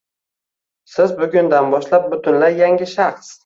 Siz bugundan boshlab butunlay yangi shaxs.